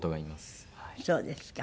そうですか。